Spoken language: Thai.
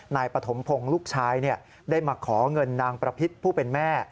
นายปฐมพงศ์ลูกชายได้มาขอเงินนางประพิษผู้เป็นแม่